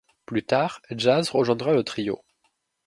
Plus tard, Jazz rejoindra le trio.